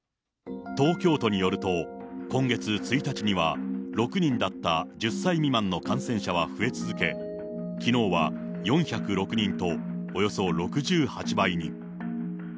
東京都によると、今月１日には、６人だった１０歳未満の感染者は増え続け、きのうは４０６人と、およそ６８倍に。